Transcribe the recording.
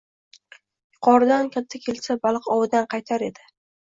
Yuqoridan katta kelsa... baliq ovidan qaytar edi.